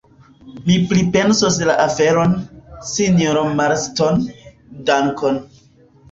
Mi pripensos la aferon, sinjoro Marston; dankon.